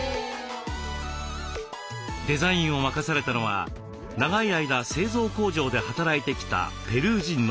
デザインを任されたのは長い間製造工場で働いてきたペルー人の女性。